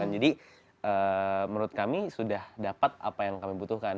jadi menurut kami sudah dapat apa yang kami butuhkan